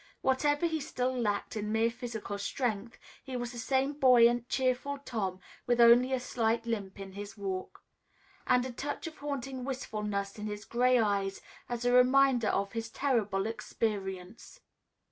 Whatever he still lacked in mere physical strength, he was the same buoyant, cheerful Tom, with only a slight limp in his walk, and a touch of haunting wistfulness in his gray eyes as a reminder of his terrible experience.